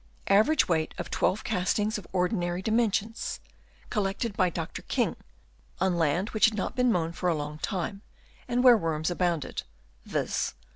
— Average weight of 12' castings of ordinary dimensions, collected by Dr. King on land which had not been mown for a long time and where worms abounded, viz.